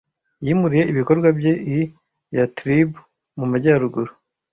yimuriye ibikorwa bye i Yathrib mu majyaruguru,